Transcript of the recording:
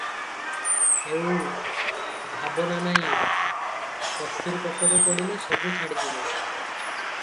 ହେଉ, ଭାବନା ନାହିଁ, କସ୍ତୁରୀ ପେଟରେ ପଡ଼ିଲେ ସବୁ ଛାଡ଼ିଯିବ ।"